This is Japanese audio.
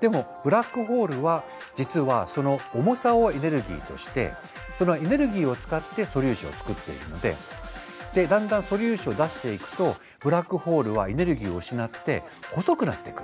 でもブラックホールは実はその重さをエネルギーとしてそのエネルギーを使って素粒子を作っているのでだんだん素粒子を出していくとブラックホールはエネルギーを失って細くなっていく。